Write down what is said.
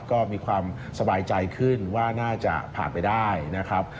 ก็มีความสบายใจขึ้นว่าน่าจะผ่านไปได้นะครับ